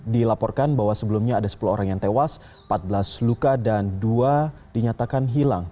dilaporkan bahwa sebelumnya ada sepuluh orang yang tewas empat belas luka dan dua dinyatakan hilang